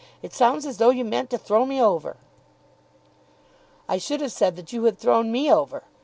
It sounds as though you meant to throw me over." "I should have said that you had thrown me over.